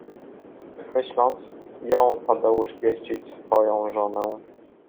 Tak myśląc, jął Tadeusz pieścić swoją żonę.